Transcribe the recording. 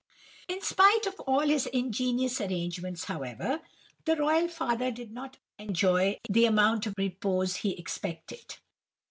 "In spite of all his ingenious arrangements, however, the royal father did not enjoy the amount of repose he expected.